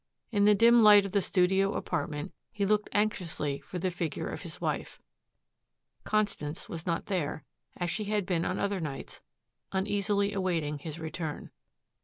In the dim light of the studio apartment he looked anxiously for the figure of his wife. Constance was not there, as she had been on other nights, uneasily awaiting his return.